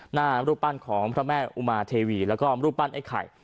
หน้ารูปปั้นของพระแม่อุมาเทวีแล้วก็รูปปั้นไอ้ไข่